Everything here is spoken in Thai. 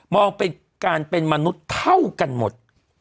เป็นการเป็นมนุษย์เท่ากันหมด